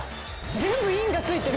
全部インがついてる。